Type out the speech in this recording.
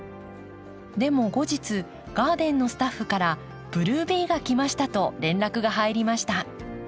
でも後日ガーデンのスタッフから「ブルービーが来ました」と連絡が入りました。